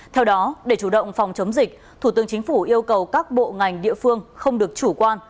theo đó để chủ động phòng chống dịch thủ tướng chính phủ yêu cầu các bộ ngành địa phương không được chủ quan